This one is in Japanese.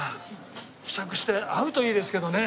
試着して合うといいですけどね。